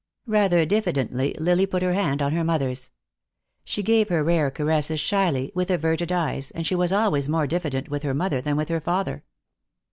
Rather diffidently Lily put her hand on her mother's. She gave her rare caresses shyly, with averted eyes, and she was always more diffident with her mother than with her father.